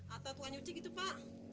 atau tukang nyuci gitu pak